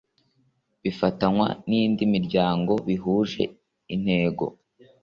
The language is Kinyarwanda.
ufatanywa n indi miryango bihuje intego